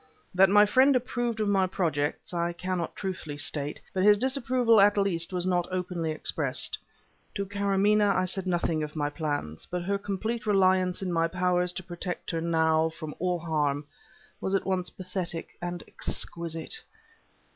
That my friend approved of my projects, I cannot truthfully state, but his disapproval at least was not openly expressed. To Karamaneh I said nothing of my plans, but her complete reliance in my powers to protect her, now, from all harm, was at once pathetic and exquisite.